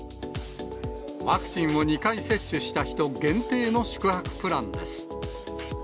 ワクチンを２回接種した人限定の宿泊プランです。